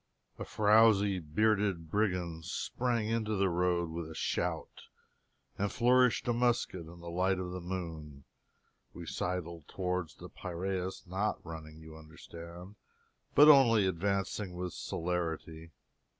A frowsy, bearded brigand sprang into the road with a shout, and flourished a musket in the light of the moon! We sidled toward the Piraeus not running you understand, but only advancing with celerity.